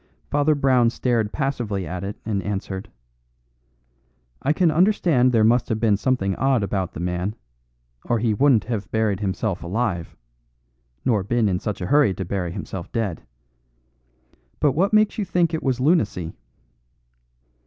Father Brown stared passively at it and answered: "I can understand there must have been something odd about the man, or he wouldn't have buried himself alive nor been in such a hurry to bury himself dead. But what makes you think it was lunacy?"